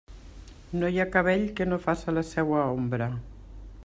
No hi ha cabell que no faça la seua ombra.